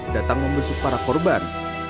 datang membosok para korban